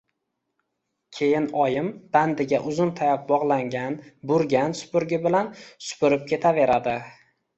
Keyin oyim bandiga uzun tayoq bog‘langan burgan supurgi bilan supurib ketaveradi.